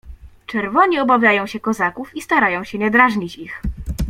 "Czerwoni obawiają się kozaków i starają się nie drażnić ich."